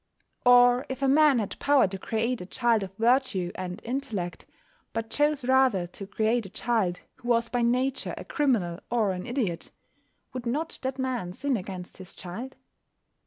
Or if a man had power to create a child of virtue and intellect, but chose rather to create a child who was by nature a criminal or an idiot, would not that man sin against his child?